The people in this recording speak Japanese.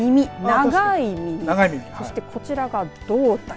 長い耳、そしてこちらが胴体。